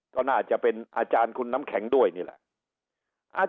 ก็น่าจะเป็นอาจารย์คุณน้ำแข็งด้วยนี่แหละ